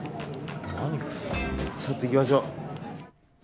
ちょっと行きましょう。